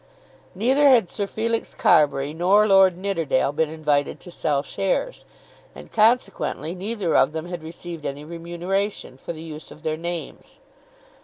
Neither had Sir Felix Carbury nor Lord Nidderdale been invited to sell shares, and consequently neither of them had received any remuneration for the use of their names.